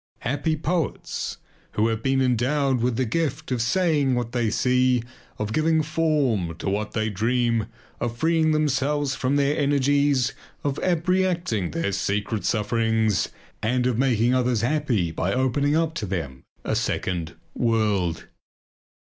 Happy poets, who have been endowed with the gift of saying what they see, of giving form to what they dream, of freeing themselves from their energies, of abreacting their secret sufferings and of making others happy by opening up to them a second world!